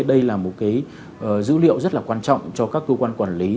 đây là một cái dữ liệu rất là quan trọng cho các cơ quan quản lý